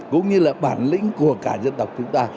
cũng như là bản lĩnh của cả dân tộc chúng ta